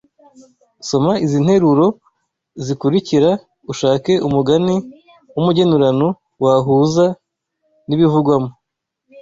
Soma izi nteruro zikurikira ushake umugani w’umugenurano wahuza n’ibivugwamo